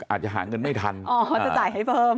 อาจจะหาเงินไม่ทันอ๋อเขาจะจ่ายให้เฟิร์ม